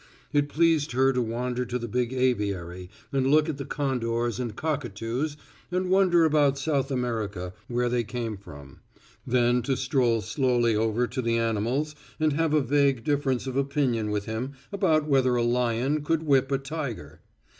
It pleased her to wander to the big aviary and look at the condors and cockatoos and wonder about South America where they came from, then to stroll slowly over to the animals and have a vague difference of opinion with him about whether a lion could whip a tiger.